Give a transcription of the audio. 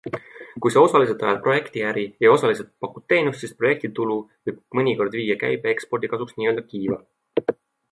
Kui sa osaliselt ajad projektiäri ja osaliselt pakud teenust, siis projektitulu võib mõnikord viia käibe ekspordi kasuks n-ö kiiva.